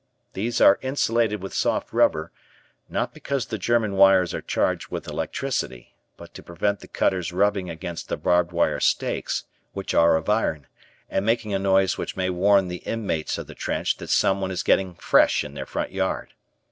These are insulated with soft rubber, not because the German wires are charged with electricity, but to prevent the cutters rubbing against the barbed wire stakes, which are of iron, and making a noise which may warn the inmates of the trench that someone is getting fresh in their front yard.